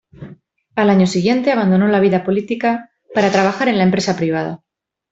Al año siguiente abandonó la vida política para trabajar en la empresa privada.